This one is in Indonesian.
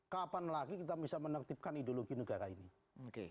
kapan lagi kita bisa menertibkan ideologi negara ini